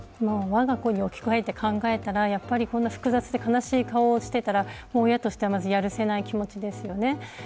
わが子に置き換えて考えたらこんな複雑で悲しい表情をしていたら親としては許せない気持ちですよね。